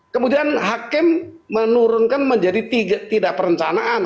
kemudian hakim menurunkan menjadi tidak perencanaan